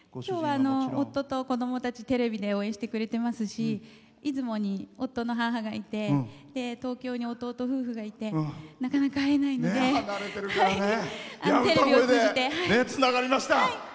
夫と子どもたちテレビで応援してくれてますし出雲に夫の母がいて東京に弟夫婦がいてなかなか会えないのでテレビを通じて。